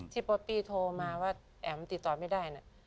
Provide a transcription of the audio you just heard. ป๊อปปี้โทรมาว่าแอ๋มติดต่อไม่ได้นะ